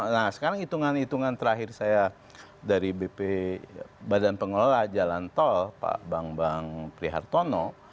nah sekarang itungan itungan terakhir saya dari bp badan pengelola jalan tol pak bang bang prihartono